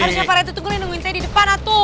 aduh siapa rete tunggu nungguin saya di depan atu